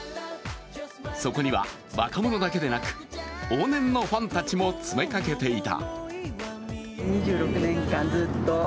そこには若者だけでなく往年のファンたちも詰めかけていた。